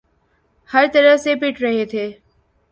ہر طرف سے پٹ رہے تھے۔